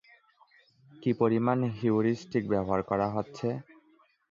কি পরিমাণ হিউরিস্টিক ব্যবহার করা হচ্ছে?